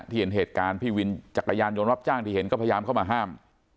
เห็นเหตุการณ์พี่วินจักรยานยนต์รับจ้างที่เห็นก็พยายามเข้ามาห้าม